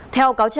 theo cáo trạng